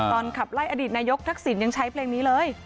ขับไล่อดีตนายกทักษิณยังใช้เพลงนี้เลย